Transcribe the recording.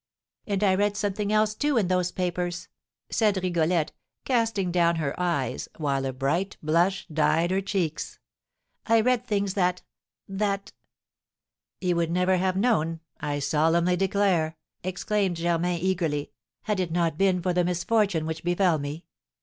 And I read something else, too, in those papers," said Rigolette, casting down her eyes, while a bright blush dyed her cheeks; "I read things that that " "You would never have known, I solemnly declare," exclaimed Germain, eagerly, "had it not been for the misfortune which befell me.